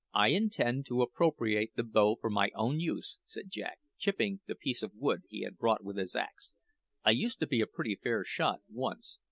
"I intend to appropriate the bow for my own use," said Jack, chipping the piece of wood he had brought with his axe. "I used to be a pretty fair shot once.